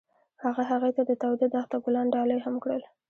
هغه هغې ته د تاوده دښته ګلان ډالۍ هم کړل.